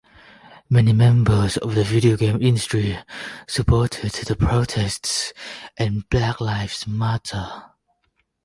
Many members of the video game industry supported the protests and Black Lives Matter.